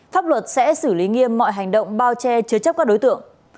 pháp luật sẽ xử lý nghiêm mọi hành động bao che chứa chấp các đối tượng